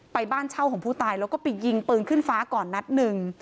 บ้านเช่าของผู้ตายแล้วก็ไปยิงปืนขึ้นฟ้าก่อนนัดหนึ่ง